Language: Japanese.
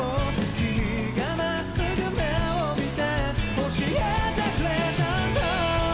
「君がまっすぐ目を見て教えてくれたんだ」